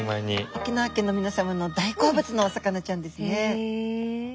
沖縄県の皆様の大好物のお魚ちゃんですね。